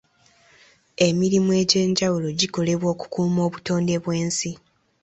Emirimu egy'enjawulo gikolebwa okukuuma obutonde bw'ensi.